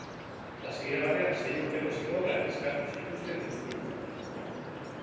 Hasiera batean sei urteko zigorrak eskatu zituzten guztientzat.